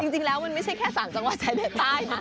จริงแล้วมันไม่ใช่แค่๓จังหวัดชายแดนใต้นะ